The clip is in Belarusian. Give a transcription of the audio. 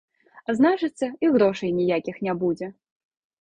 А значыцца, і грошай ніякіх не будзе.